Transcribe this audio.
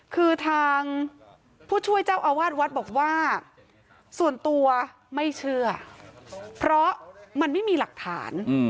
คือทางผู้ช่วยเจ้าอาวาสวัดบอกว่าส่วนตัวไม่เชื่อเพราะมันไม่มีหลักฐาน